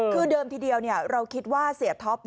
คือเดิมทีเดียวเราคิดว่าเสียท็อป